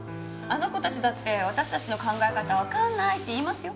あの子たちだって私たちの考え方わかんないって言いますよ。